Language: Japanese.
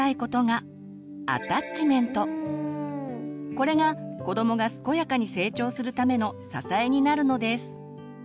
これが子どもが健やかに成長するための支えになるのです。